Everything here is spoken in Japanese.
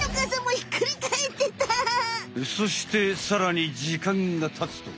そしてさらにじかんがたつと。